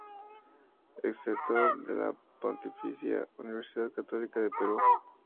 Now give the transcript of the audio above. Exrector de la Pontificia Universidad Católica del Perú.